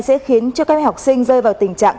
sẽ khiến cho các em học sinh rơi vào tình trạng